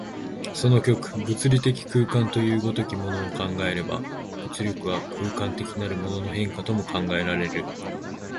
その極、物理的空間という如きものを考えれば、物力は空間的なるものの変化とも考えられる。